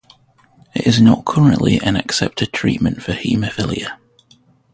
It is not currently an accepted treatment for haemophilia.